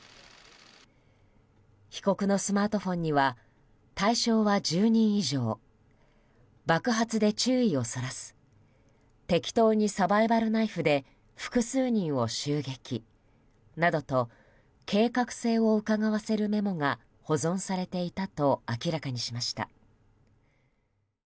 被告のスマートフォンには対象は１０人以上爆発で注意をそらす適当にサバイバルナイフで複数人を襲撃などと計画性をうかがわせるメモが保存されていたと明らかにしました。